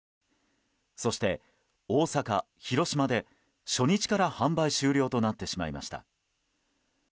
そして、大阪、広島で初日から販売終了となってしまいました。